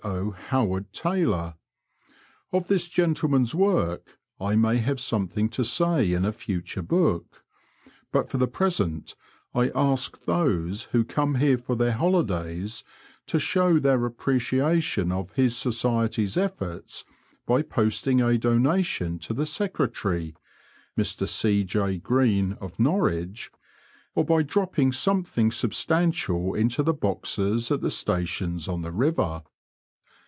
0. Howard Taylor. Of this gentleman's work I may have something to say in a future book, but for the present I ask those who come here for their holidays to show their appreciation of his society's efforts by posting a donation to the Secretary, Mr C. J. Greene, of Norwich, or by dropping something sub stantial into the boxes at the stations on the river.